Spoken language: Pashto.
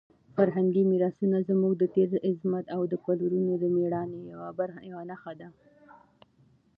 فرهنګي میراثونه زموږ د تېر عظمت او د پلرونو د مېړانې یوه نښه ده.